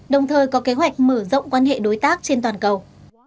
đồng thời có kế hoạch mở rộng quan hệ đối tác trên toàn cầu